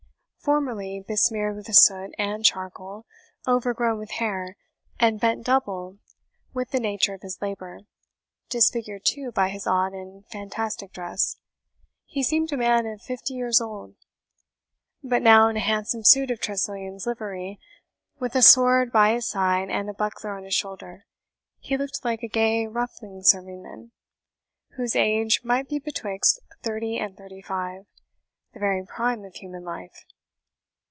Formerly, besmeared with soot and charcoal, overgrown with hair, and bent double with the nature of his labour, disfigured too by his odd and fantastic dress, he seemed a man of fifty years old. But now, in a handsome suit of Tressilian's livery, with a sword by his side and a buckler on his shoulder, he looked like a gay ruffling serving man, whose age might be betwixt thirty and thirty five, the very prime of human life.